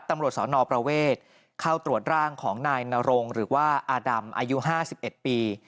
ตำรวจสนประเวทเข้าตรวจร่างของนายนรงหรือว่าอาดำอายุ๕๑ปี